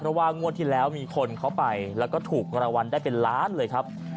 เพราะว่างวดที่แล้วมีคนเขาไปแล้วก็ถูกรางวัลได้เป็นล้านเลยครับ